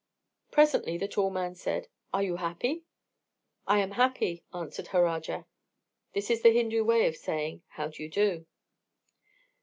Presently the tall man said: "Are you happy?" "I am happy," answered Harajar. This is the Hindu way of saying "How do you do?"